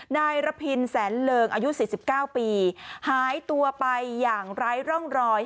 นายระพินแสนเริงอายุ๔๙ปีหายตัวไปอย่างไร้ร่องรอย